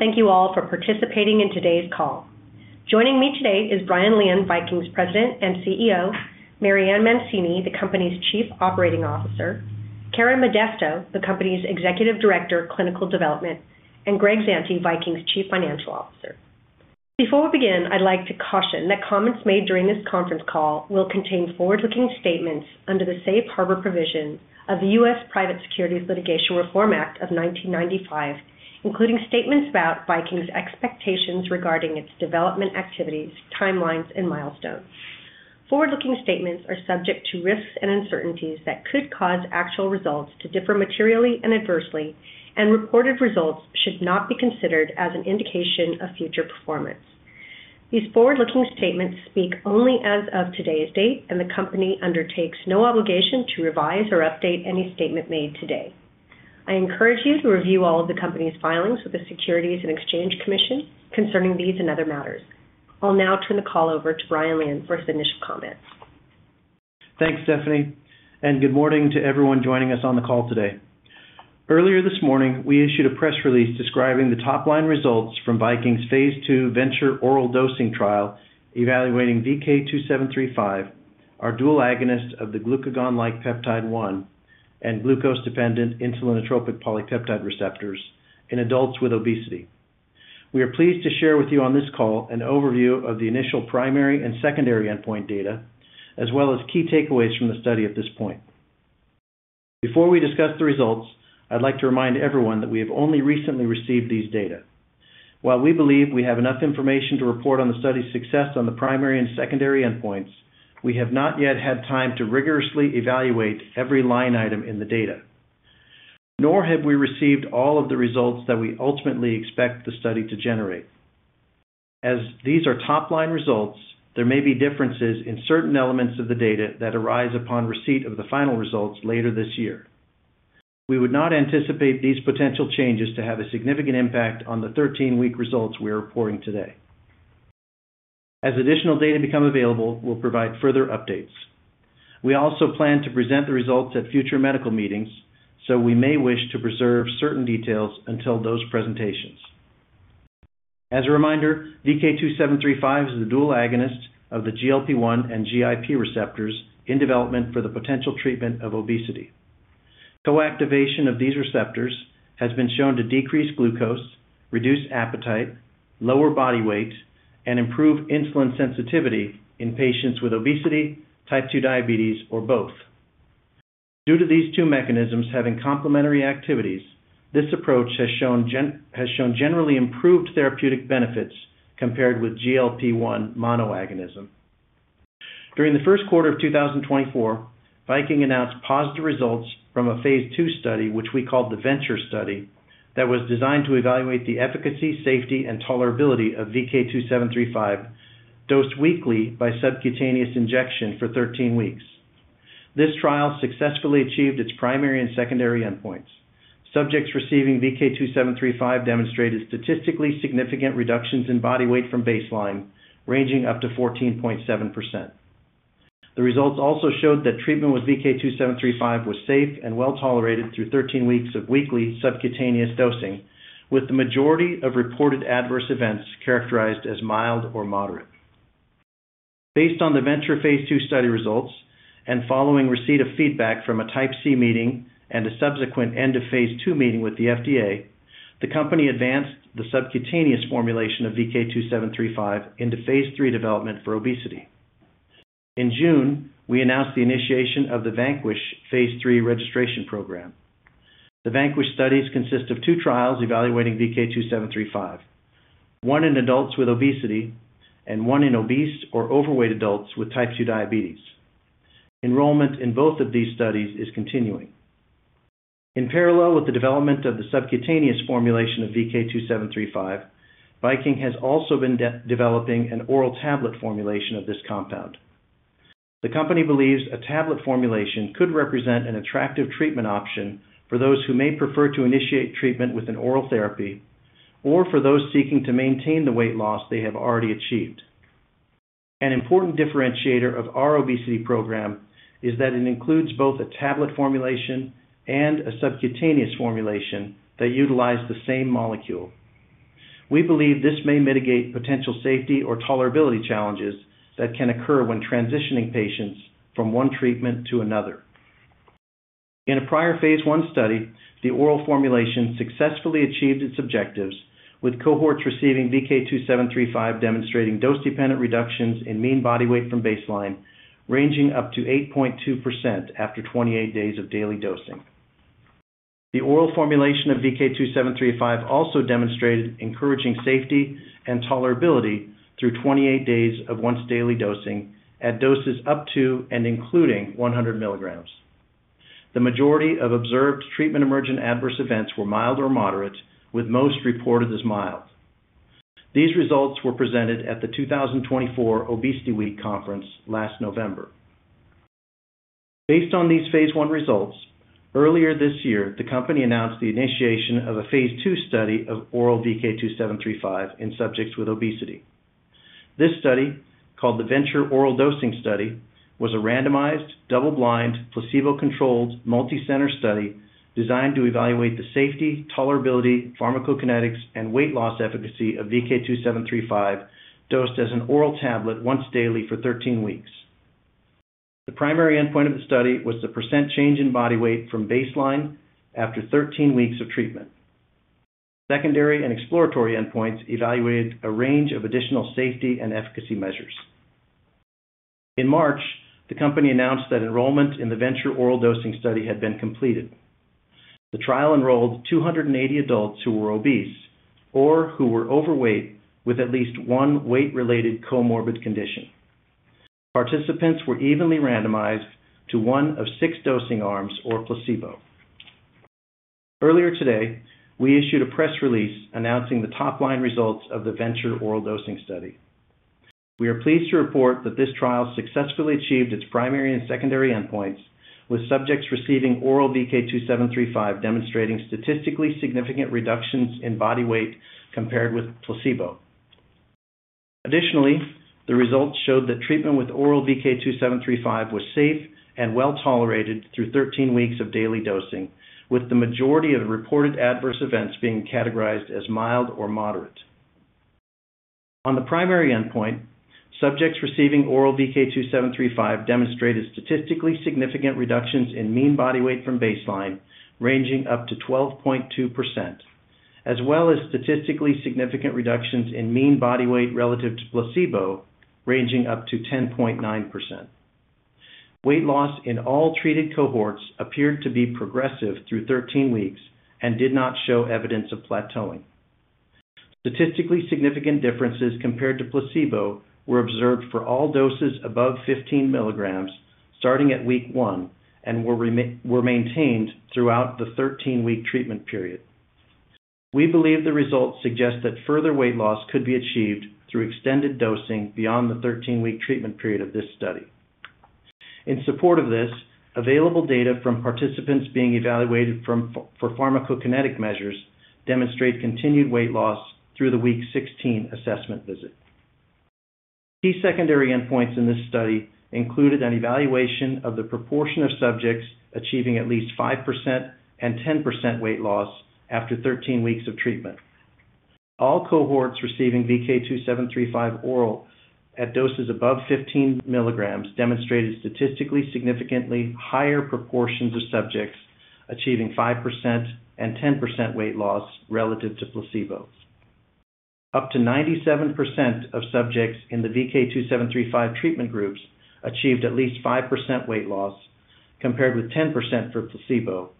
Hello, and thank you all for participating in today's call. Joining me today is Brian Lian, Viking's President and CEO, Marianne Mancini, the company's Chief Operating Officer, Karen Modesto, the company's Executive Director of Clinical Development, and Greg Zante, Viking's Chief Financial Officer. Before we begin, I'd like to caution that comments made during this conference call will contain forward-looking statements under the Safe Harbor provision of the U.S. Private Securities Litigation Reform Act of 1995, including statements about Viking Therapeutics' expectations regarding its development activities, timelines, and milestones. Forward-looking statements are subject to risks and uncertainties that could cause actual results to differ materially and adversely, and reported results should not be considered as an indication of future performance. These forward-looking statements speak only as of today's date, and the company undertakes no obligation to revise or update any statement made today. I encourage you to review all of the company's filings with the Securities and Exchange Commission concerning these and other matters. I'll now turn the call over to Brian Lian for his initial comments. Thanks, Stephanie, and good morning to everyone joining us on the call today. Earlier this morning, we issued a press release describing the top-line results from Viking's Phase II Venture Oral Dosing Trial evaluating VK2735, our dual agonist of the glucagon-like peptide-1 and glucose-dependent insulinotropic polypeptide receptors in adults with obesity. We are pleased to share with you on this call an overview of the initial primary and secondary endpoint data, as well as key takeaways from the study at this point. Before we discuss the results, I'd like to remind everyone that we have only recently received these data. While we believe we have enough information to report on the study's success on the primary and secondary endpoints, we have not yet had time to rigorously evaluate every line item in the data, nor have we received all of the results that we ultimately expect the study to generate. As these are top-line results, there may be differences in certain elements of the data that arise upon receipt of the final results later this year. We would not anticipate these potential changes to have a significant impact on the 13-week results we are reporting today. As additional data becomes available, we'll provide further updates. We also plan to present the results at future medical meetings, so we may wish to preserve certain details until those presentations. As a reminder, VK2735 is the dual agonist of the GLP-1 and GIP receptors in development for the potential treatment of obesity. Co-activation of these receptors has been shown to decrease glucose, reduce appetite, lower body weight, and improve insulin sensitivity in patients with obesity, type 2 diabetes, or both. Due to these two mechanisms having complementary activities, this approach has shown generally improved therapeutic benefits compared with GLP-1 monoagonism. During the first quarter of 2024, Viking announced positive results from a phase II study, which we called the Venture Study, that was designed to evaluate the efficacy, safety, and tolerability of VK2735 dosed weekly by subcutaneous injection for 13 weeks. This trial successfully achieved its primary and secondary endpoints. Subjects receiving VK2735 demonstrated statistically significant reductions in body weight from baseline, ranging up to 14.7%. The results also showed that treatment with VK2735 was safe and well tolerated through 13 weeks of weekly subcutaneous dosing, with the majority of reported adverse events characterized as mild or moderate. Based on the Venture phase II study results and following receipt of feedback from a Type C meeting and a subsequent end-of-phase II meeting with the FDA, the company advanced the subcutaneous formulation of VK2735 into phase III development for obesity. In June, we announced the initiation of the Vanquish Phase III registration program. The Vanquish studies consist of two trials evaluating VK2735: one in adults with obesity and one in obese or overweight adults with type 2 diabetes. Enrollment in both of these studies is continuing. In parallel with the development of the subcutaneous formulation of VK2735, Viking has also been developing an oral tablet formulation of this compound. The company believes a tablet formulation could represent an attractive treatment option for those who may prefer to initiate treatment with an oral therapy or for those seeking to maintain the weight loss they have already achieved. An important differentiator of our obesity program is that it includes both a tablet formulation and a subcutaneous formulation that utilize the same molecule. We believe this may mitigate potential safety or tolerability challenges that can occur when transitioning patients from one treatment to another. In a prior phase I study, the oral formulation successfully achieved its objectives, with cohorts receiving VK2735 demonstrating dose-dependent reductions in mean body weight from baseline, ranging up to 8.2% after 28 days of daily dosing. The oral formulation of VK2735 also demonstrated encouraging safety and tolerability through 28 days of once-daily dosing at doses up to and including 100 mg. The majority of observed treatment-emergent adverse events were mild or moderate, with most reported as mild. These results were presented at the 2024 Obesity Week Conference last November. Based on these phase I results, earlier this year, the company announced the initiation of a phase II study of oral VK2735 in subjects with obesity. This study, called the Venture Oral Dosing Study, was a randomized, double-blind, placebo-controlled, multicenter study designed to evaluate the safety, tolerability, pharmacokinetics, and weight loss efficacy of VK2735 dosed as an oral tablet once daily for 13 weeks. The primary endpoint of the study was the percent change in body weight from baseline after 13 weeks of treatment. Secondary and exploratory endpoints evaluated a range of additional safety and efficacy measures. In March, the company announced that enrollment in the Venture Oral Dosing Study had been completed. The trial enrolled 280 adults who were obese or who were overweight with at least one weight-related comorbid condition. Participants were evenly randomized to one of six dosing arms or placebo. Earlier today, we issued a press release announcing the top-line results of the Venture Oral Dosing Study. We are pleased to report that this trial successfully achieved its primary and secondary endpoints, with subjects receiving oral VK2735 demonstrating statistically significant reductions in body weight compared with placebo. Additionally, the results showed that treatment with oral VK2735 was safe and well tolerated through 13 weeks of daily dosing, with the majority of the reported adverse events being categorized as mild or moderate. On the primary endpoint, subjects receiving oral VK2735 demonstrated statistically significant reductions in mean body weight from baseline, ranging up to 12.2%, as well as statistically significant reductions in mean body weight relative to placebo, ranging up to 10.9%. Weight loss in all treated cohorts appeared to be progressive through 13 weeks and did not show evidence of plateauing. Statistically significant differences compared to placebo were observed for all doses above 15 mg starting at week one and were maintained throughout the 13-week treatment period. We believe the results suggest that further weight loss could be achieved through extended dosing beyond the 13-week treatment period of this study. In support of this, available data from participants being evaluated for pharmacokinetic measures demonstrate continued weight loss through the week 16 assessment visit. Key secondary endpoints in this study included an evaluation of the proportion of subjects achieving at least 5% and 10% weight loss after 13 weeks of treatment. All cohorts receiving VK2735 oral at doses above 15 mg demonstrated statistically significantly higher proportions of subjects achieving 5% and 10% weight loss relative to placebo. Up to 97% of subjects in the VK2735 treatment groups achieved at least 5% weight loss compared with 10% for placebo,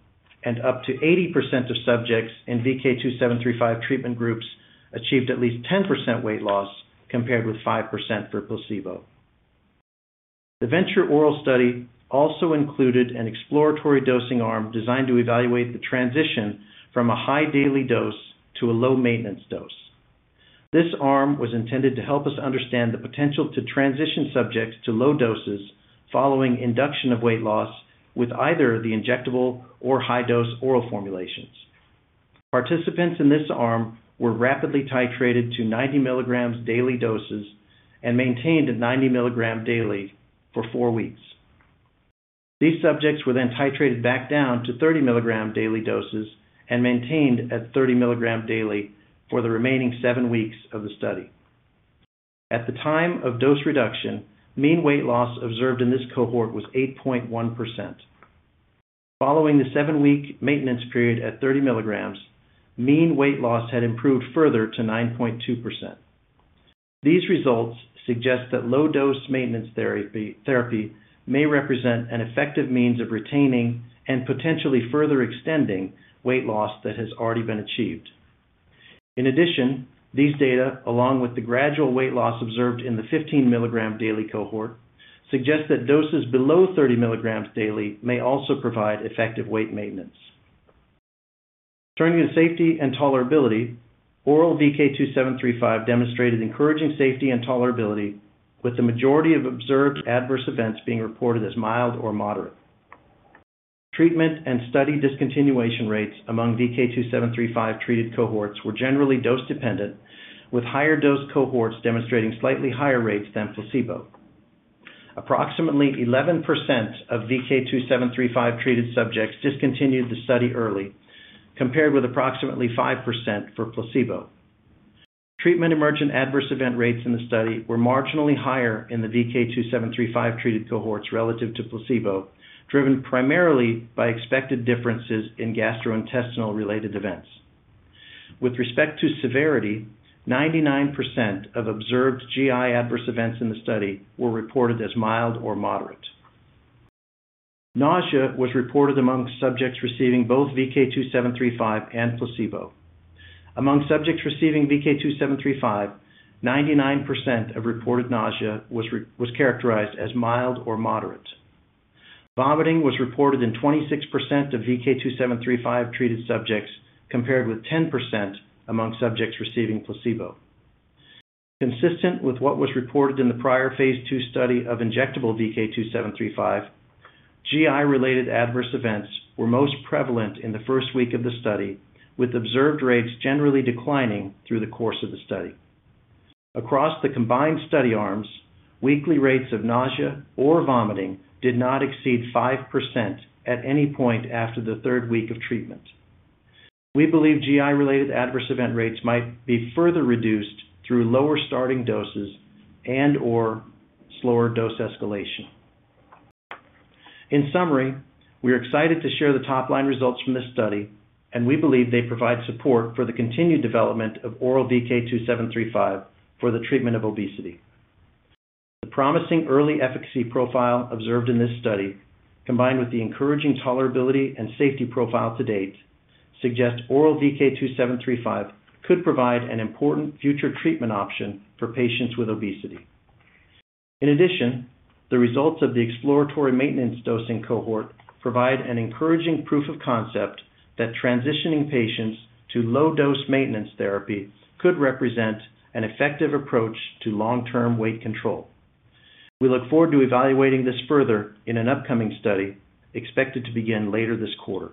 and up to 80% of subjects in VK2735 treatment groups achieved at least 10% weight loss compared with 5% for placebo. The Venture Oral Study also included an exploratory dosing arm designed to evaluate the transition from a high daily dose to a low maintenance dose. This arm was intended to help us understand the potential to transition subjects to low doses following induction of weight loss with either the injectable or high-dose oral formulations. Participants in this arm were rapidly titrated to 90 mg daily doses and maintained at 90 mg daily for four weeks. These subjects were then titrated back down to 30 mg daily doses and maintained at 30 mg daily for the remaining seven weeks of the study. At the time of dose reduction, mean weight loss observed in this cohort was 8.1%. Following the seven-week maintenance period at 30 mg, mean weight loss had improved further to 9.2%. These results suggest that low-dose maintenance therapy may represent an effective means of retaining and potentially further extending weight loss that has already been achieved. In addition, these data, along with the gradual weight loss observed in the 15 mg daily cohort, suggest that doses below 30 mg daily may also provide effective weight maintenance. Turning to safety and tolerability, oral VK2735 demonstrated encouraging safety and tolerability, with the majority of observed adverse events being reported as mild or moderate. Treatment and study discontinuation rates among VK2735 treated cohorts were generally dose-dependent, with higher dose cohorts demonstrating slightly higher rates than placebo. Approximately 11% of VK2735 treated subjects discontinued the study early, compared with approximately 5% for placebo. Treatment-emergent adverse event rates in the study were marginally higher in the VK2735 treated cohorts relative to placebo, driven primarily by expected differences in gastrointestinal-related events. With respect to severity, 99% of observed GI adverse events in the study were reported as mild or moderate. Nausea was reported among subjects receiving both VK2735 and placebo. Among subjects receiving VK2735, 99% of reported nausea was characterized as mild or moderate. Vomiting was reported in 26% of VK2735 treated subjects, compared with 10% among subjects receiving placebo. Consistent with what was reported in the prior phase II study of injectable VK2735, GI-related adverse events were most prevalent in the first week of the study, with observed rates generally declining through the course of the study. Across the combined study arms, weekly rates of nausea or vomiting did not exceed 5% at any point after the third week of treatment. We believe GI-related adverse event rates might be further reduced through lower starting doses and/or slower dose escalation. In summary, we are excited to share the top-line results from this study, and we believe they provide support for the continued development of oral VK2735 for the treatment of obesity. The promising early efficacy profile observed in this study, combined with the encouraging tolerability and safety profile to date, suggests oral VK2735 could provide an important future treatment option for patients with obesity. In addition, the results of the exploratory maintenance dosing cohort provide an encouraging proof of concept that transitioning patients to low-dose maintenance therapy could represent an effective approach to long-term weight control. We look forward to evaluating this further in an upcoming study expected to begin later this quarter.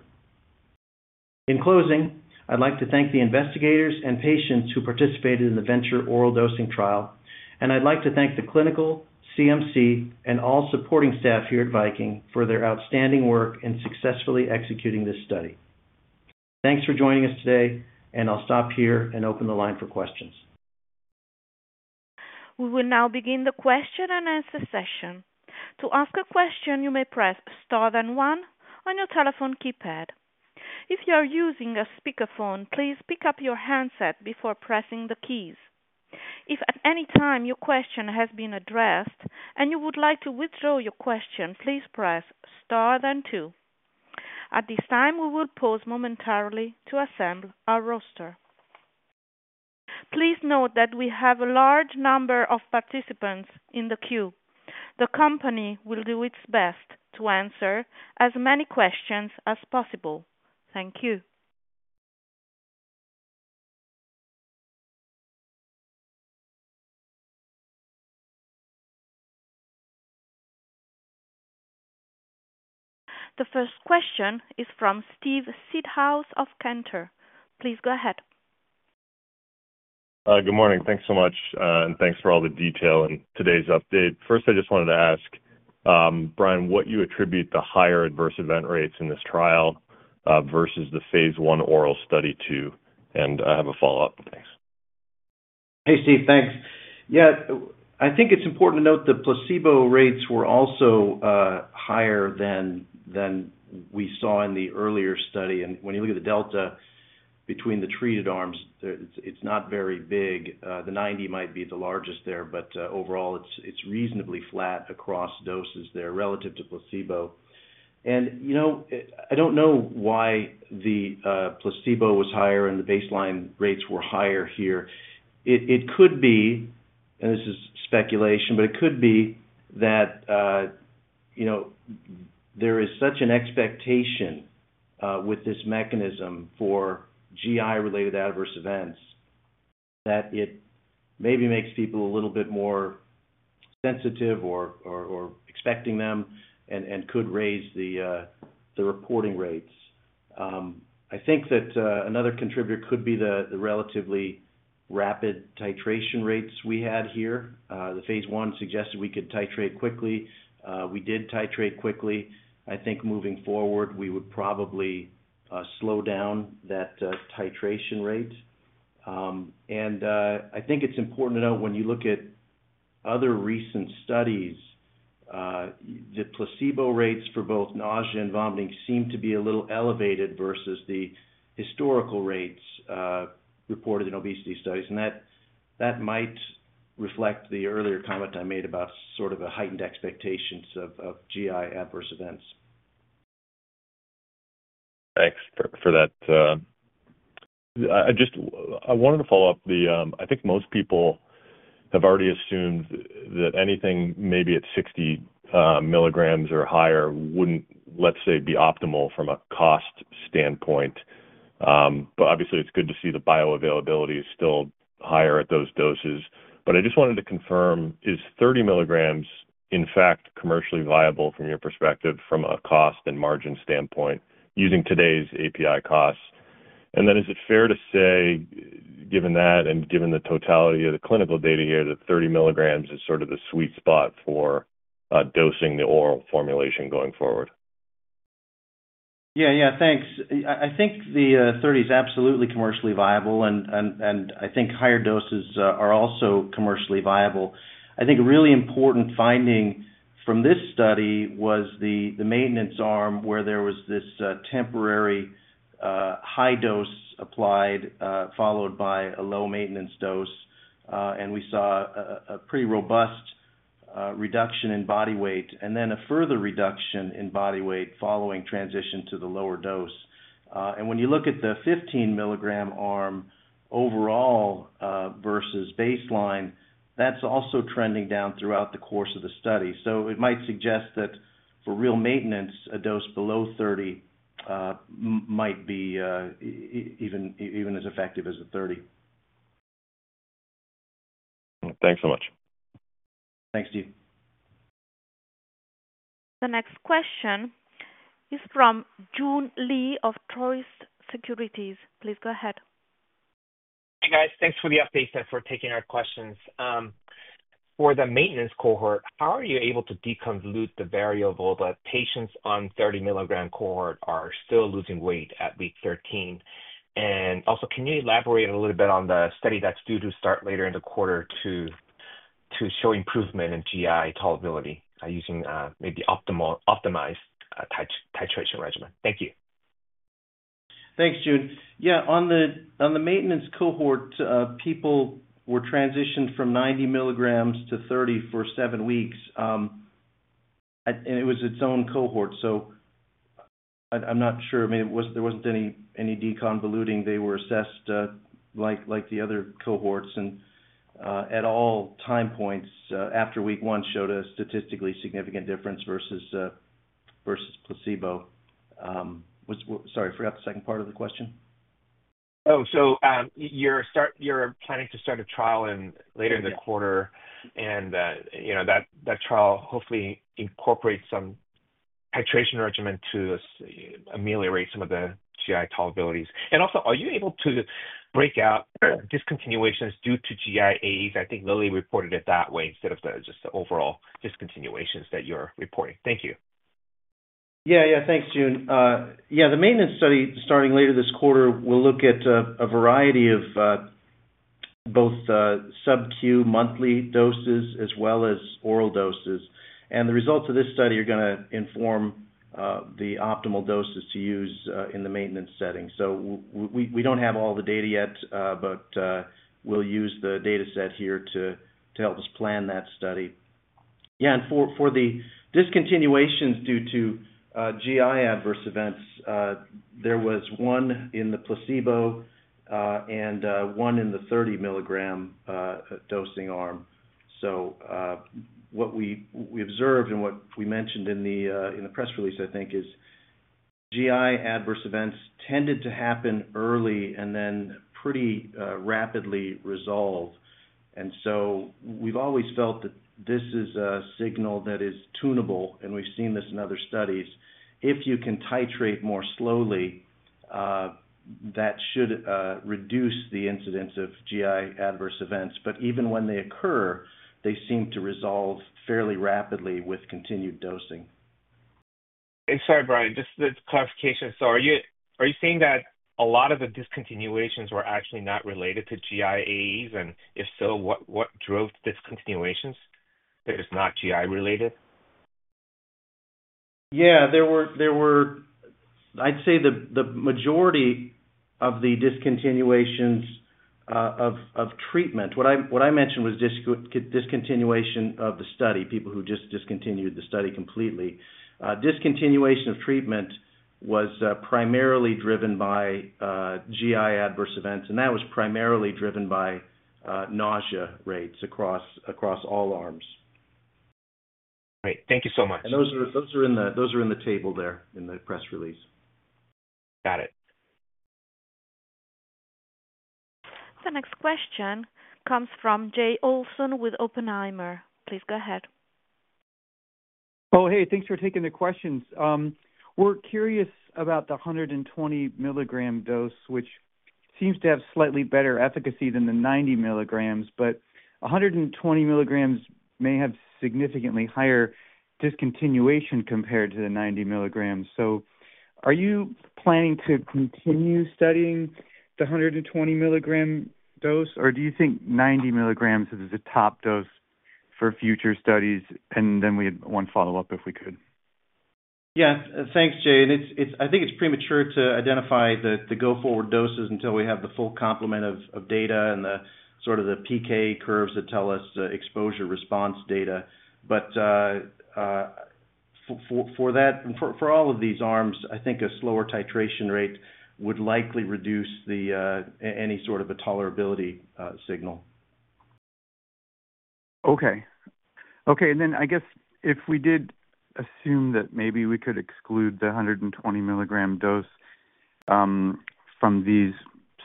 In closing, I'd like to thank the investigators and patients who participated in the Venture Oral Dosing Trial, and I'd like to thank the clinical, CMC, and all supporting staff here at Viking Therapeutics for their outstanding work in successfully executing this study. Thanks for joining us today, and I'll stop here and open the line for questions. We will now begin the question and answer session. To ask a question, you may press star then one on your telephone keypad. If you are using a speakerphone, please pick up your handset before pressing the keys. If at any time your question has been addressed and you would like to withdraw your question, please press star then two. At this time, we will pause momentarily to assemble our roster. Please note that we have a large number of participants in the queue. The company will do its best to answer as many questions as possible. Thank you. The first question is from Steve Seedhouse of Cantor. Please go ahead. Good morning. Thanks so much, and thanks for all the detail in today's update. First, I just wanted to ask, Brian, what you attribute the higher adverse event rates in this trial versus the phase I oral study to, and I have a follow-up. Thanks. Hey, Steve. Thanks. I think it's important to note the placebo rates were also higher than we saw in the earlier study. When you look at the delta between the treated arms, it's not very big. The 90 might be the largest there, but overall, it's reasonably flat across doses there relative to placebo. I don't know why the placebo was higher and the baseline rates were higher here. It could be, and this is speculation, but it could be that there is such an expectation with this mechanism for GI-related adverse events that it maybe makes people a little bit more sensitive or expecting them and could raise the reporting rates. I think that another contributor could be the relatively rapid titration rates we had here. The phase I suggested we could titrate quickly. We did titrate quickly. I think moving forward, we would probably slow down that titration rate. I think it's important to note when you look at other recent studies, the placebo rates for both nausea and vomiting seem to be a little elevated versus the historical rates reported in obesity studies, and that might reflect the earlier comment I made about sort of the heightened expectations of GI adverse events. Thanks for that. I just wanted to follow up. I think most people have already assumed that anything maybe at 60 mg or higher wouldn't, let's say, be optimal from a cost standpoint. Obviously, it's good to see the bioavailability is still higher at those doses. I just wanted to confirm, is 30 mg, in fact, commercially viable from your perspective from a cost and margin standpoint using today's API costs? Is it fair to say, given that and given the totality of the clinical data here, that 30 mg is sort of the sweet spot for dosing the oral formulation going forward? Yeah, thanks. I think the 30 mg is absolutely commercially viable, and I think higher doses are also commercially viable. I think a really important finding from this study was the maintenance arm where there was this temporary high dose applied followed by a low maintenance dose, and we saw a pretty robust reduction in body weight, and then a further reduction in body weight following transition to the lower dose. When you look at the 15 mg arm overall versus baseline, that's also trending down throughout the course of the study. It might suggest that for real maintenance, a dose below 30 mg might be even as effective as a 30 mg. Thanks so much. Thanks, Steve. The next question is from Joon Lee of Truist Securities. Please go ahead. Hi, guys. Thanks for the updates and for taking our questions. For the maintenance cohort, how are you able to deconvolute the variable that patients on the 30 mg cohort are still losing weight at week 13? Also, can you elaborate a little bit on the study that's due to start later in the quarter to show improvement in GI tolerability using maybe optimized titration regimen? Thank you. Thanks, Joon. Yeah, on the maintenance cohort, people were transitioned from 90 mg to 30 mg for seven weeks, and it was its own cohort. I'm not sure. I mean, there wasn't any deconvoluting. They were assessed like the other cohorts, and at all time points after week one showed a statistically significant difference versus placebo. Sorry, I forgot the second part of the question. Oh, so you're planning to start a trial later in the quarter, and that trial hopefully incorporates some titration regimen to ameliorate some of the GI tolerabilities. Also, are you able to break out discontinuations due to GI AEs? I think Lilly reported it that way instead of just the overall discontinuations that you're reporting. Thank you. Yeah, thanks, Joon. The maintenance study starting later this quarter will look at a variety of both subcu monthly doses as well as oral doses. The results of this study are going to inform the optimal doses to use in the maintenance setting. We don't have all the data yet, but we'll use the data set here to help us plan that study. For the discontinuations due to GI adverse events, there was one in the placebo and one in the 30 mg dosing arm. What we observed and what we mentioned in the press release, I think, is GI adverse events tended to happen early and then pretty rapidly resolve. We've always felt that this is a signal that is tunable, and we've seen this in other studies. If you can titrate more slowly, that should reduce the incidence of GI adverse events. Even when they occur, they seem to resolve fairly rapidly with continued dosing. Brian, just a clarification. Are you saying that a lot of the discontinuations were actually not related to GIAs, and if so, what drove discontinuations that is not GI related? Yeah, there were, I'd say, the majority of the discontinuations of treatment. What I mentioned was discontinuation of the study, people who just discontinued the study completely. Discontinuation of treatment was primarily driven by GI adverse events, and that was primarily driven by nausea rates across all arms. Great, thank you so much. Those are in the table in the press release. Got it. The next question comes from Jay Olson with Oppenheimer. Please go ahead. Oh, hey, thanks for taking the questions. We're curious about the 120 mg dose, which seems to have slightly better efficacy than the 90 mg, but 120 mg may have significantly higher discontinuation compared to the 90 mg. Are you planning to continue studying the 120 mg dose, or do you think 90 mg is the top dose for future studies? We had one follow-up if we could. Yeah, thanks, Jay. I think it's premature to identify the go-forward doses until we have the full complement of data and the sort of the PK curves that tell us exposure response data. For all of these arms, I think a slower titration rate would likely reduce any sort of a tolerability signal. Okay. I guess if we did assume that maybe we could exclude the 120 mg dose from these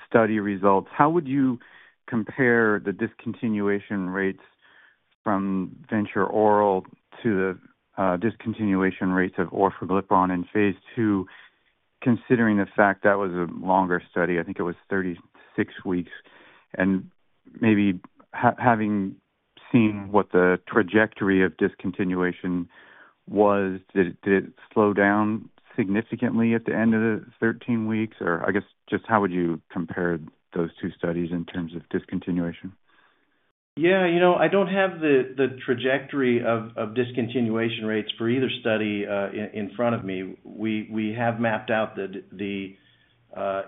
study results, how would you compare the discontinuation rates from Venture Oral to the discontinuation rates of Orfaglipirone in phase II, considering the fact that was a longer study? I think it was 36 weeks. Maybe having seen what the trajectory of discontinuation was, did it slow down significantly at the end of the 13 weeks? I guess just how would you compare those two studies in terms of discontinuation? Yeah, you know, I don't have the trajectory of discontinuation rates for either study in front of me. We have mapped out the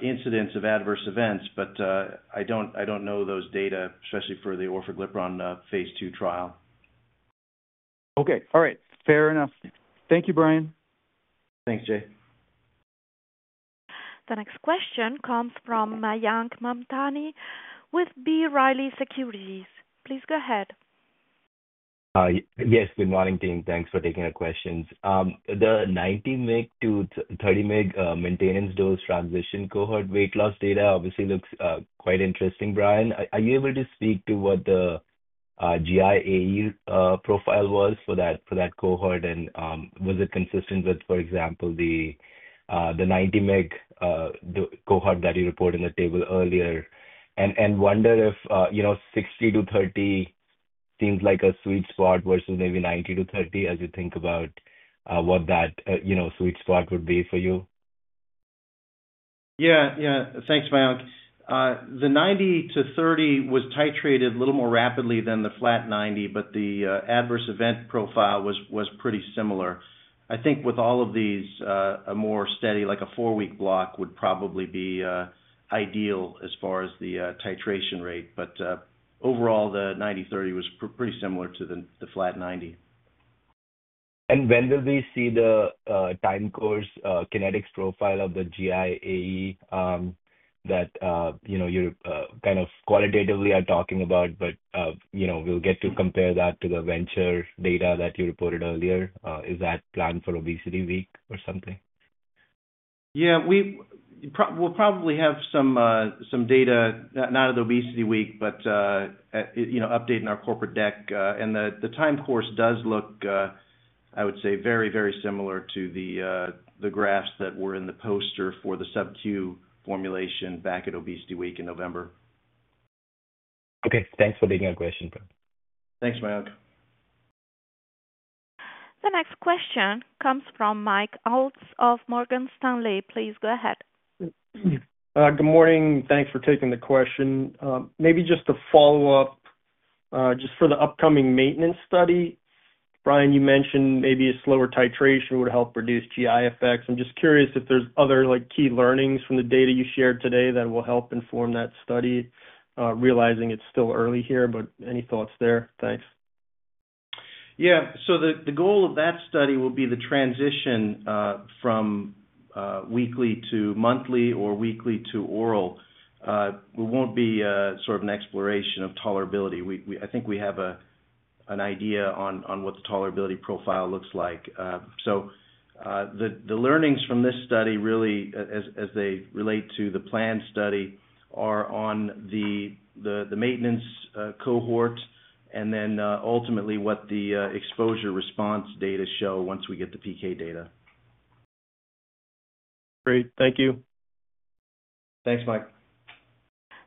incidence of adverse events, but I don't know those data, especially for the Orfaglipirone Phase II trial. Okay. All right. Fair enough. Thank you, Brian. Thanks, Jay. The next question comes from Mayank Mamtani with B. Riley Securities. Please go ahead. Yes, good morning, team. Thanks for taking our questions. The 90 mg to 30 mg maintenance dose transition cohort weight loss data obviously looks quite interesting, Brian. Are you able to speak to what the GIA profile was for that cohort, and was it consistent with, for example, the 90 mg cohort that you reported in the table earlier? I wonder if 60 mg to 30 mg seems like a sweet spot versus maybe 90 mg to 30 mg as you think about what that sweet spot would be for you? Yeah, thanks, Mayank. The 90 mg to 30 mg was titrated a little more rapidly than the flat 90 mg, but the adverse event profile was pretty similar. I think with all of these, a more steady, like a four-week block would probably be ideal as far as the titration rate. Overall, the 90 mg to 30 mg was pretty similar to the flat 90 mg. When will we see the time course kinetics profile of the GIA that you kind of qualitatively are talking about? We'll get to compare that to the Venture data that you reported earlier. Is that planned for Obesity Week or something? We'll probably have some data not at Obesity Week, but update in our corporate deck. The time course does look, I would say, very, very similar to the graphs that were in the poster for the subcu formulation back at Obesity Week in November. Okay. Thanks for taking our question, Brian. Thanks, Mayank. The next question comes from Mike Ulz of Morgan Stanley. Please go ahead. Good morning. Thanks for taking the question. Maybe just a follow-up for the upcoming maintenance study. Brian, you mentioned maybe a slower titration would help reduce GI effects. I'm just curious if there's other key learnings from the data you shared today that will help inform that study, realizing it's still early here, but any thoughts there? Thanks. Yeah. The goal of that study will be the transition from weekly to monthly or weekly to oral. It won't be an exploration of tolerability. I think we have an idea on what the tolerability profile looks like. The learnings from this study really, as they relate to the planned study, are on the maintenance cohort and then ultimately what the exposure response data show once we get the PK data. Great. Thank you. Thanks, Mike.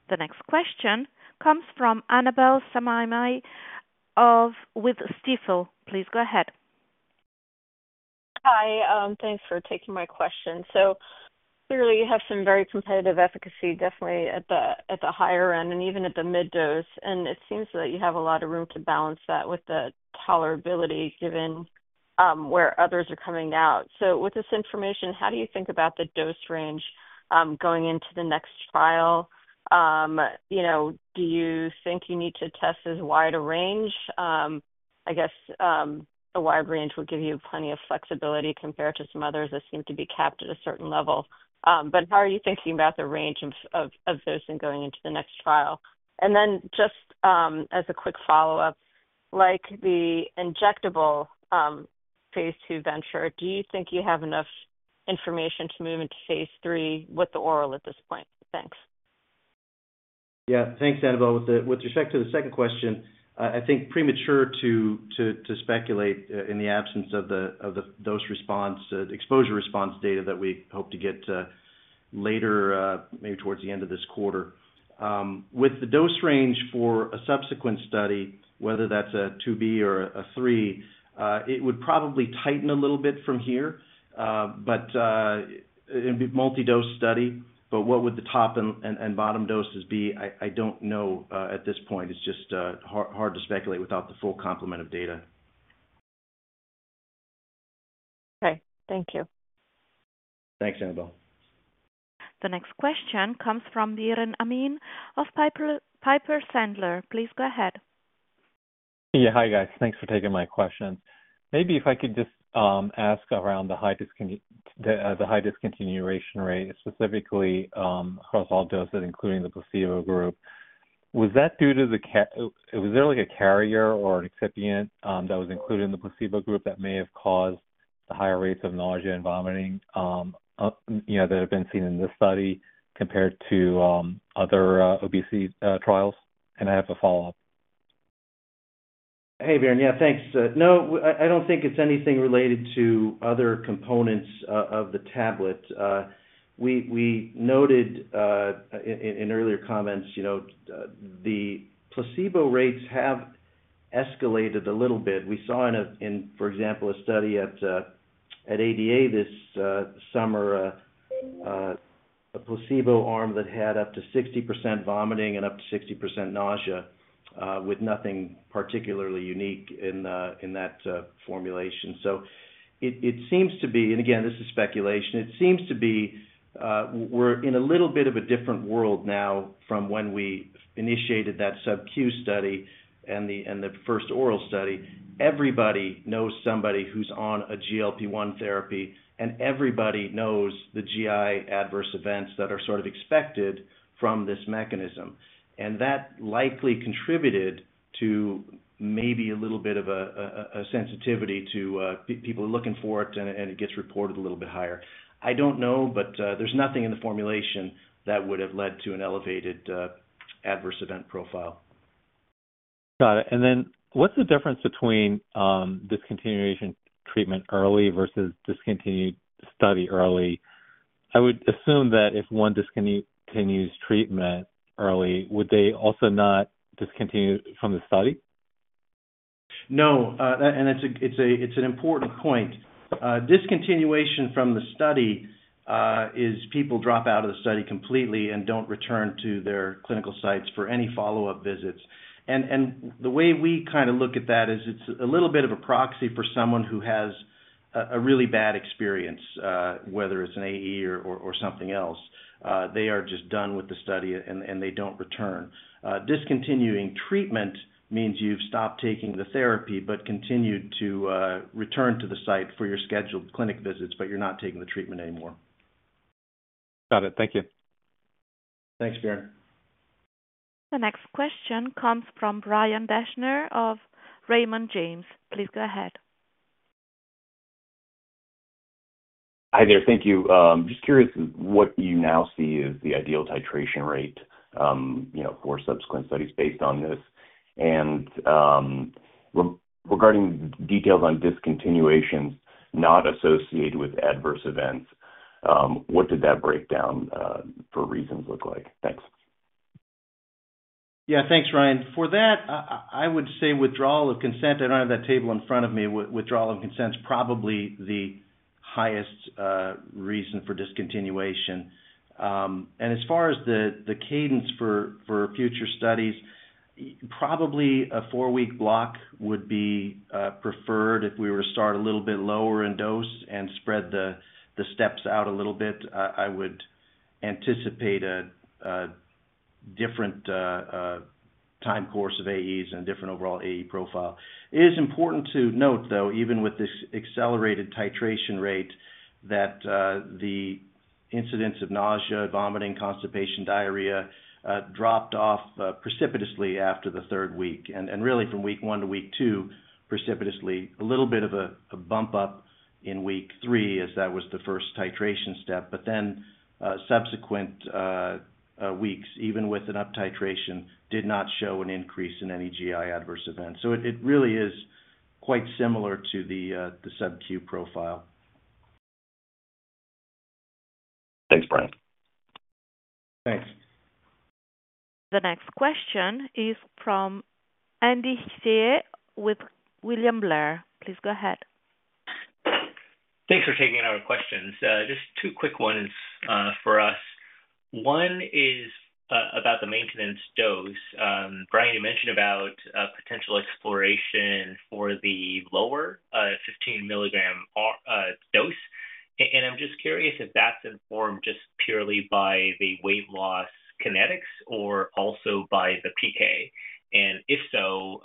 The next question comes from Annabel Samimy with Stifel. Please go ahead. Hi. Thanks for taking my question. You have some very competitive efficacy definitely at the higher end and even at the mid-dose. It seems that you have a lot of room to balance that with the tolerability given where others are coming out. With this information, how do you think about the dose range going into the next trial? Do you think you need to test as wide a range? A wide range would give you plenty of flexibility compared to some others that seem to be capped at a certain level. How are you thinking about the range of dosing going into the next trial? Just as a quick follow-up, like the injectable phase II Venture, do you think you have enough information to move into phase III with the oral at this point? Thanks. Yeah, thanks Annabelle. With respect to the second question, I think it's premature to speculate in the absence of the dose response exposure response data that we hope to get later, maybe towards the end of this quarter. With the dose range for a subsequent study, whether that's a IIB or a III, it would probably tighten a little bit from here, but it would be a multi-dose study. What would the top and bottom doses be? I don't know at this point. It's just hard to speculate without the full complement of data. Okay, thank you. Thanks, Annabelle. The next question comes from Biren Amin of Piper Sandler. Please go ahead. Yeah, hi, guys. Thanks for taking my question. Maybe if I could just ask around the high discontinuation rate specifically across all doses, including the placebo group, was that due to the, was there like a carrier or an excipient that was included in the placebo group that may have caused the higher rates of nausea and vomiting that have been seen in this study compared to other obesity trials? I have a follow-up. Hey, Biren. Yeah, thanks. No, I don't think it's anything related to other components of the tablet. We noted in earlier comments, you know, the placebo rates have escalated a little bit. We saw in, for example, a study at ADA this summer, a placebo arm that had up to 60% vomiting and up to 60% nausea with nothing particularly unique in that formulation. It seems to be, and again, this is speculation, it seems to be we're in a little bit of a different world now from when we initiated that subcutaneous study and the first oral study. Everybody knows somebody who's on a GLP-1 therapy, and everybody knows the GI adverse events that are sort of expected from this mechanism. That likely contributed to maybe a little bit of a sensitivity to people who are looking for it, and it gets reported a little bit higher. I don't know, but there's nothing in the formulation that would have led to an elevated adverse event profile. Got it. What's the difference between discontinuation treatment early versus discontinued study early? I would assume that if one discontinues treatment early, would they also not discontinue from the study? No. It's an important point. Discontinuation from the study is people drop out of the study completely and don't return to their clinical sites for any follow-up visits. The way we kind of look at that is it's a little bit of a proxy for someone who has a really bad experience, whether it's an AE or something else. They are just done with the study, and they don't return. Discontinuing treatment means you've stopped taking the therapy but continued to return to the site for your scheduled clinic visits, but you're not taking the treatment anymore. Got it. Thank you. Thanks, Biren. The next question comes from Ryan Deschner of Raymond James. Please go ahead. Hi there. Thank you. Just curious what you now see is the ideal titration rate for subsequent studies based on this. Regarding the details on discontinuations not associated with adverse events, what did that breakdown for reasons look like? Thanks. Yeah, thanks, Brian. For that, I would say withdrawal of consent. I don't have that table in front of me. Withdrawal of consent is probably the highest reason for discontinuation. As far as the cadence for future studies, probably a four-week block would be preferred if we were to start a little bit lower in dose and spread the steps out a little bit. I would anticipate a different time course of AEs and a different overall AE profile. It is important to note, though, even with this accelerated titration rate that the incidence of nausea, vomiting, constipation, diarrhea dropped off precipitously after the third week. Really, from week one to week two, precipitously. There was a little bit of a bump up in week three as that was the first titration step, but subsequent weeks, even with an up-titration, did not show an increase in any GI adverse events. It really is quite similar to the subcu profile. Thanks, Brian. Thanks. The next question is from Andy Hsieh with William Blair. Please go ahead. Thanks for taking our questions. Just two quick ones for us. One is about the maintenance dose. Brian, you mentioned about potential exploration for the lower 15 mg dose. I'm just curious if that's informed just purely by the weight loss kinetics or also by the PK, and if so,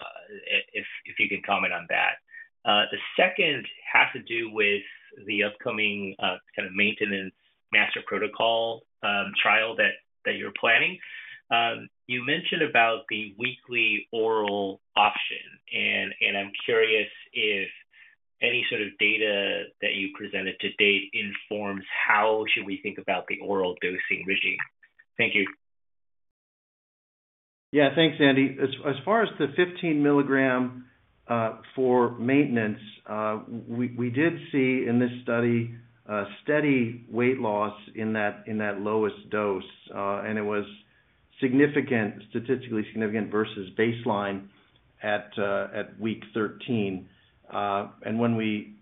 if you can comment on that. The second has to do with the upcoming kind of maintenance master protocol trial that you're planning. You mentioned about the weekly oral option. I'm curious if any sort of data that you presented to date informs how should we think about the oral dosing regime. Thank you. Yeah, thanks, Andy. As far as the 15 mg for maintenance, we did see in this study steady weight loss in that lowest dose. It was significant, statistically significant versus baseline at week 13. When we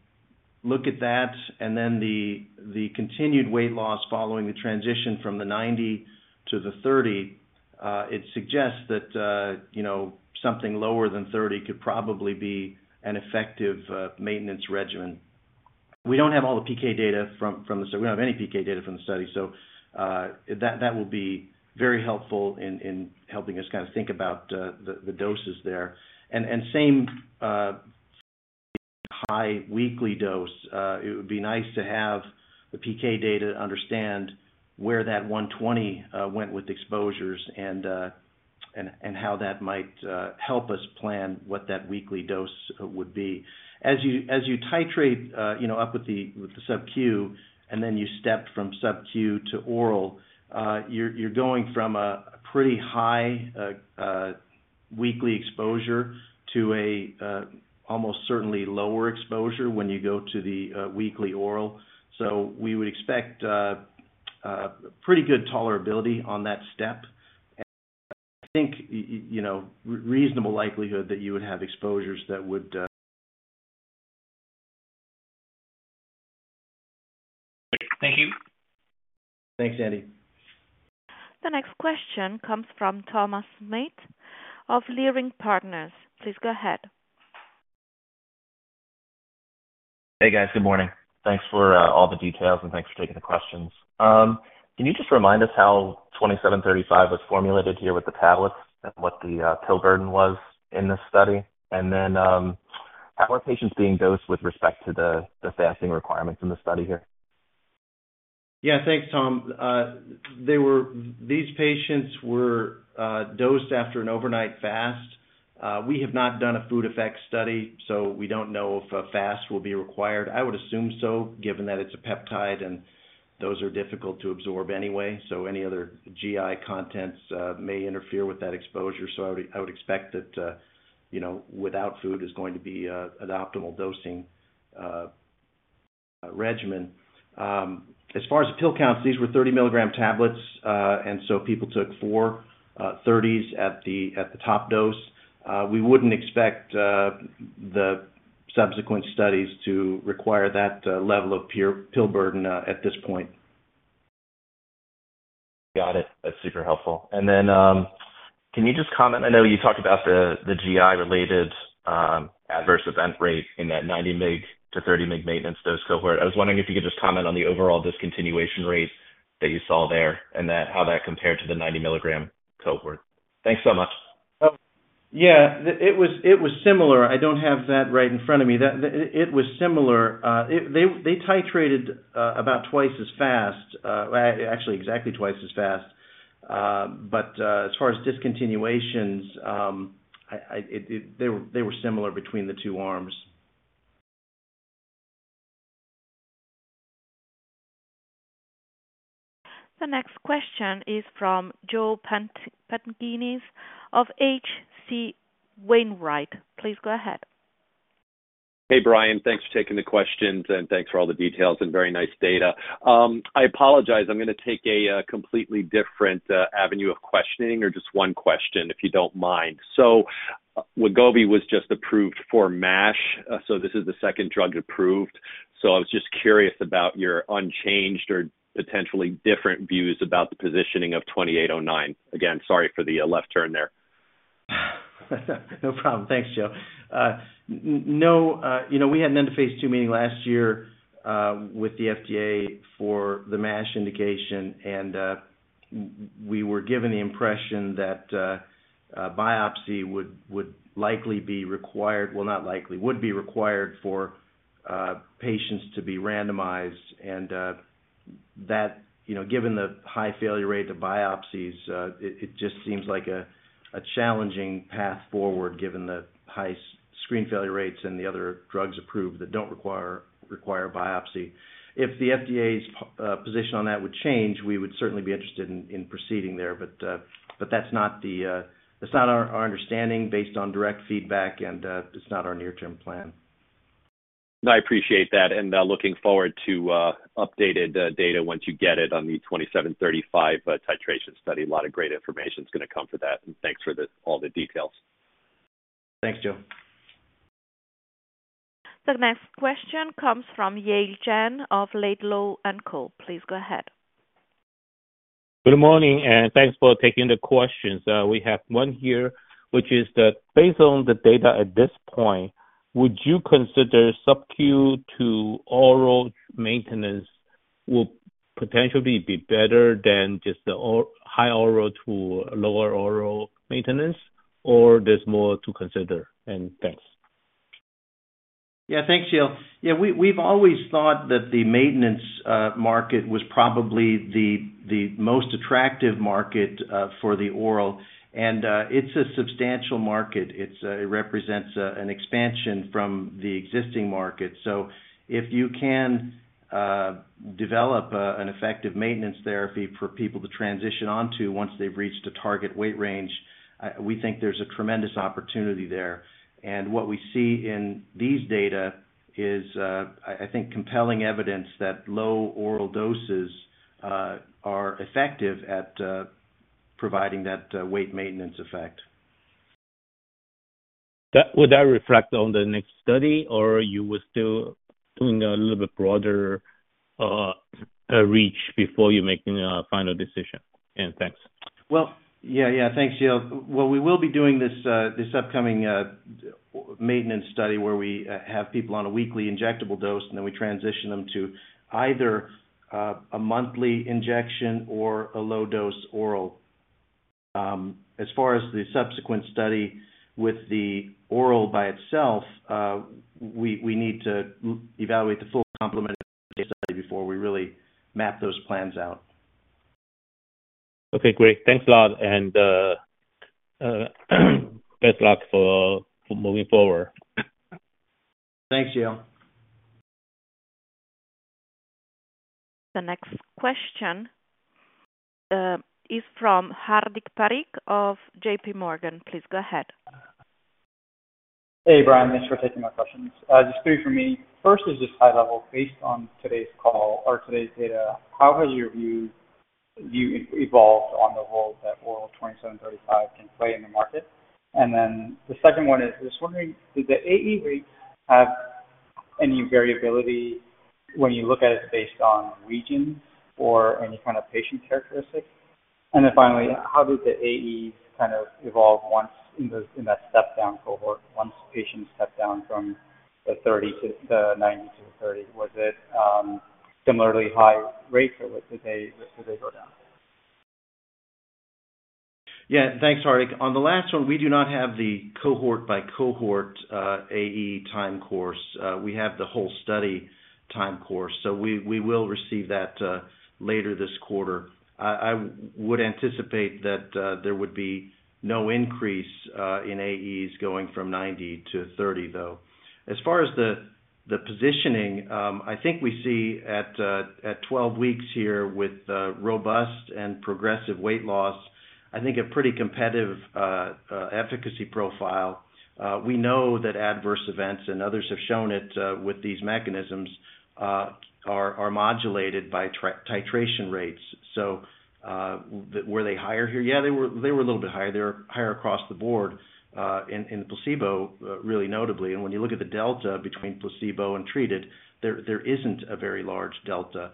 look at that and then the continued weight loss following the transition from the 90 mg to the 30 mg, it suggests that something lower than 30 mg could probably be an effective maintenance regimen. We don't have all the PK data from the study. We don't have any PK data from the study. That will be very helpful in helping us kind of think about the doses there. The same high weekly dose, it would be nice to have the PK data to understand where that 120 mg went with exposures and how that might help us plan what that weekly dose would be. As you titrate up with the subcu and then you step from subcu to oral, you're going from a pretty high weekly exposure to an almost certainly lower exposure when you go to the weekly oral. We would expect pretty good tolerability on that step. I think reasonable likelihood that you would have exposures that would. Okay, thank you. Thanks, Andy. The next question comes from Thomas Smith of Leerink Partners. Please go ahead. Hey, guys. Good morning. Thanks for all the details and thanks for taking the questions. Can you just remind us how VK2735 was formulated here with the tablets and what the tilt burden was in this study? How are patients being dosed with respect to the fasting requirements in the study here? Yeah, thanks, Tom. These patients were dosed after an overnight fast. We have not done a food effect study, so we don't know if a fast will be required. I would assume so, given that it's a peptide and those are difficult to absorb anyway. Any other GI contents may interfere with that exposure. I would expect that without food is going to be an optimal dosing regimen. As far as the pill counts, these were 30 mg tablets, and people took four 30s at the top dose. We wouldn't expect the subsequent studies to require that level of pill burden at this point. Got it. That's super helpful. Can you just comment? I know you talked about the GI-related adverse event rate in that 90 mg to 30 mg maintenance dose cohort. I was wondering if you could just comment on the overall discontinuation rate that you saw there and how that compared to the 90 mg cohort. Thanks so much. Yeah, it was similar. I don't have that right in front of me. It was similar. They titrated about twice as fast, actually exactly twice as fast. As far as discontinuations, they were similar between the two arms. The next question is from Joe Pantginis of HC Wainwright. Please go ahead. Hey, Brian. Thanks for taking the questions and thanks for all the details and very nice data. I apologize. I'm going to take a completely different avenue of questioning or just one question, if you don't mind. Wegovy was just approved for MASH. This is the second drug approved. I was just curious about your unchanged or potentially different views about the positioning of VK2809. Again, sorry for the left turn there. No problem. Thanks, Joe. You know, we had an end-of-phase II meeting last year with the FDA for the MASH indication, and we were given the impression that biopsy would be required for patients to be randomized. Given the high failure rate of biopsies, it just seems like a challenging path forward given the high screen failure rates and the other drugs approved that don't require biopsy. If the FDA's position on that would change, we would certainly be interested in proceeding there. That's not our understanding based on direct feedback, and it's not our near-term plan. I appreciate that. I am looking forward to updated data once you get it on the VK2735 titration study. A lot of great information is going to come from that. Thanks for all the details. Thanks, Joe. The next question comes from Yale Jen of Laidlaw & Co. Please go ahead. Good morning, and thanks for taking the questions. We have one here, which is that based on the data at this point, would you consider subcu to oral maintenance will potentially be better than just the high oral to lower oral maintenance, or there's more to consider? Thanks. Yeah, thanks, Yale. We've always thought that the maintenance market was probably the most attractive market for the oral. It's a substantial market. It represents an expansion from the existing market. If you can develop an effective maintenance therapy for people to transition onto once they've reached a target weight range, we think there's a tremendous opportunity there. What we see in these data is, I think, compelling evidence that low oral doses are effective at providing that weight maintenance effect. Would that reflect on the next study, or you were still doing a little bit broader reach before you're making a final decision? Thanks. Thank you, Yale. We will be doing this upcoming maintenance study where we have people on a weekly injectable dose, and then we transition them to either a monthly injection or a low-dose oral. As far as the subsequent study with the oral by itself, we need to evaluate the full complement of the study before we really map those plans out. Okay, great. Thanks a lot. Best of luck for moving forward. Thanks, Yale. The next question is from Hardik Parikh of JPMorgan. Please go ahead. Hey, Brian. Thanks for taking my questions. Just three for me. First is just high level, based on today's call or today's data, how have you evolved on the role that oral VK2735 can play in the market? The second one is just wondering, did the AE rates have any variability when you look at it based on region or any kind of patient characteristic? Finally, how did the AEs kind of evolve once in that step-down cohort, once patients stepped down from the 90 mg to the 30 mg? Was it similarly high rates or did they go down? Yeah, thanks, Hardik. On the last one, we do not have the cohort-by-cohort AE time course. We have the whole study time course. We will receive that later this quarter. I would anticipate that there would be no increase in AEs going from 90 to 30, though. As far as the positioning, I think we see at 12 weeks here with robust and progressive weight loss, a pretty competitive efficacy profile. We know that adverse events and others have shown it with these mechanisms are modulated by titration rates. Were they higher here? Yeah, they were a little bit higher. They were higher across the board in placebo really notably. When you look at the delta between placebo and treated, there isn't a very large delta.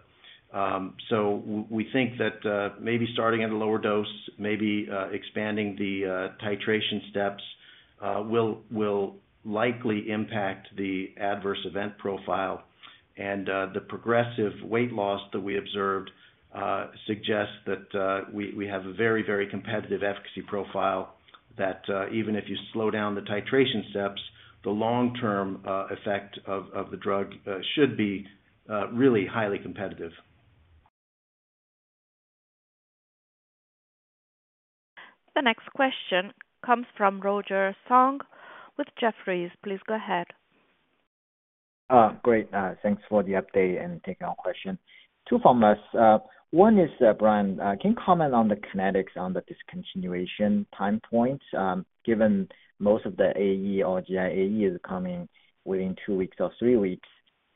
We think that maybe starting at a lower dose, maybe expanding the titration steps will likely impact the adverse event profile. The progressive weight loss that we observed suggests that we have a very, very competitive efficacy profile that even if you slow down the titration steps, the long-term effect of the drug should be really highly competitive. The next question comes from Roger Song with Jefferies. Please go ahead. Great. Thanks for the update and taking our question. Two from us. One is, Brian, can you comment on the kinetics on the discontinuation time points given most of the AE or GI AE is coming within two weeks or three weeks?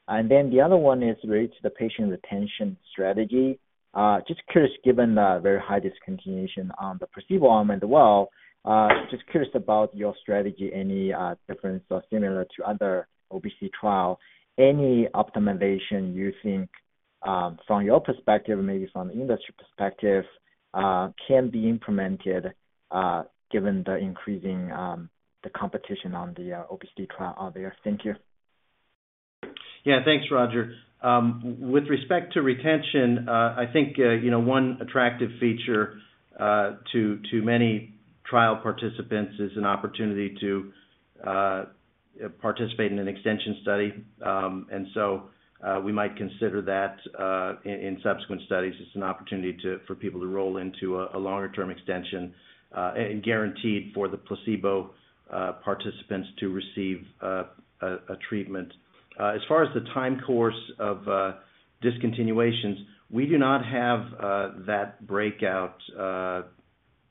The other one is related to the patient retention strategy. Just curious, given the very high discontinuation on the placebo arm as well, just curious about your strategy, any difference or similar to other obesity trials, any optimization you think from your perspective, maybe from the industry perspective, can be implemented given the increasing competition on the obesity trial out there? Thank you. Yeah, thanks, Roger. With respect to retention, I think one attractive feature to many trial participants is an opportunity to participate in an extension study. We might consider that in subsequent studies. It's an opportunity for people to roll into a longer-term extension and guaranteed for the placebo participants to receive a treatment. As far as the time course of discontinuations, we do not have that breakout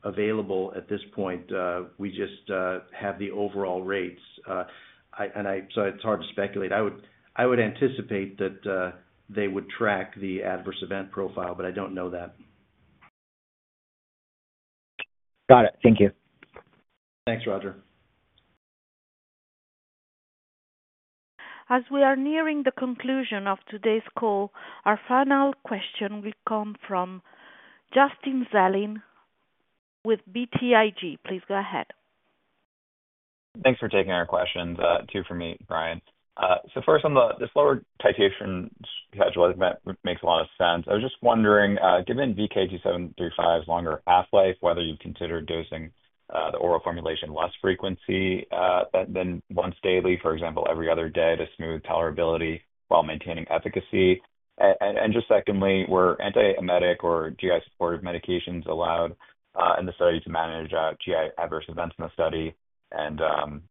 available at this point. We just have the overall rates. It's hard to speculate. I would anticipate that they would track the adverse event profile, but I don't know that. Got it. Thank you. Thanks, Roger. As we are nearing the conclusion of today's call, our final question will come from Justin Zelin with BTIG. Please go ahead. Thanks for taking our questions. Two for me, Brian. First, on the slower titration schedule, it makes a lot of sense. I was just wondering, given VK2735's longer half-life, whether you'd consider dosing the oral formulation less frequently than once daily, for example, every other day to smooth tolerability while maintaining efficacy. Secondly, were antiemetic or GI supportive medications allowed in the study to manage GI adverse events in the study, and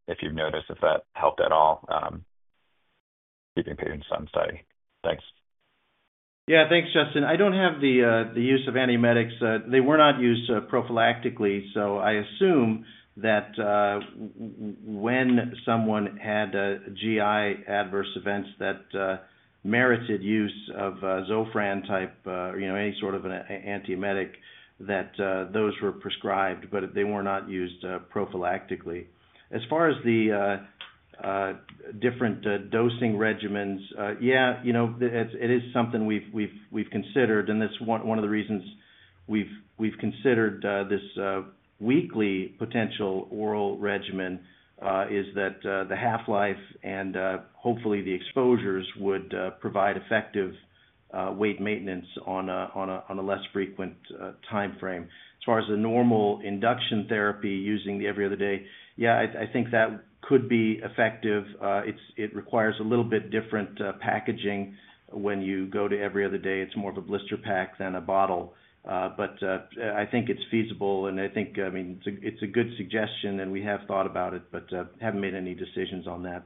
if you've noticed if that helped at all keeping patients on study. Thanks. Yeah, thanks Justin. I don't have the use of antiemetics. They were not used prophylactically. I assume that when someone had GI adverse events that merited use of Zofran type, any sort of an antiemetic, those were prescribed, but they were not used prophylactically. As far as the different dosing regimens, it is something we've considered. That's one of the reasons we've considered this weekly potential oral regimen, that the half-life and hopefully the exposures would provide effective weight maintenance on a less frequent time frame. As far as the normal induction therapy using the every other day, I think that could be effective. It requires a little bit different packaging when you go to every other day. It's more of a blister pack than a bottle. I think it's feasible. I think it's a good suggestion, and we have thought about it, but haven't made any decisions on that.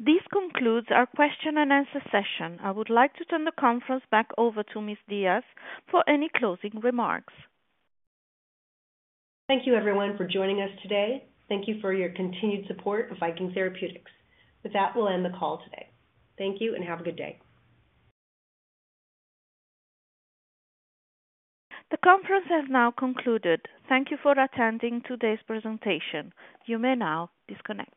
This concludes our question and answer session. I would like to turn the conference back over to Ms. Diaz for any closing remarks. Thank you, everyone, for joining us today. Thank you for your continued support of Viking Therapeutics. With that, we'll end the call today. Thank you and have a good day. The conference has now concluded. Thank you for attending today's presentation. You may now disconnect.